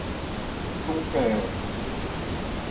ton père.